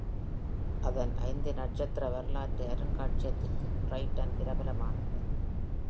அதன் ஐந்து நட்சத்திர வரலாற்று அருங்காட்சியகத்திற்கும் பிரைட்டன் பிரபலமானது.